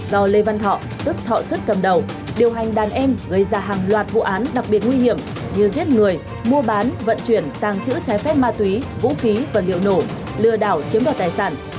do lê văn thọ tức thọ sức cầm đầu điều hành đàn em gây ra hàng loạt vụ án đặc biệt nguy hiểm như giết người mua bán vận chuyển tàng trữ trái phép ma túy vũ khí và liệu nổ lừa đảo chiếm đoạt tài sản